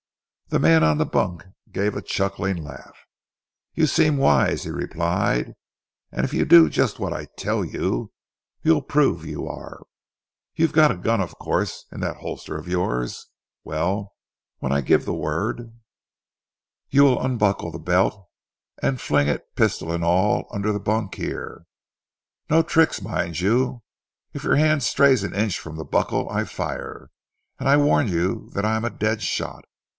The man on the bunk gave a chuckling laugh. "You seem wise," he replied, "and if you do just what I tell you you'll prove you are. You've got a gun, of course, in that holster of yours? Well, when I give the word, you will unbuckle the belt, and fling it pistol and all under the bunk here. No tricks, mind you. If your hand strays an inch from the buckle, I fire, and I warn you that I am a dead shot....